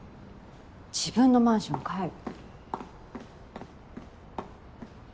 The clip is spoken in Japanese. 自分のマンション帰る。